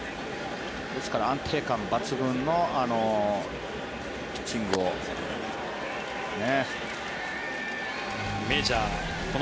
ですから安定感抜群のピッチングをね。